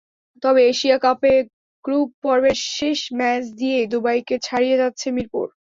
তবে এশিয়া কাপে গ্রুপপর্বের শেষ ম্যাচ দিয়েই দুবাইকে ছাড়িয়ে যাচ্ছে মিরপুর।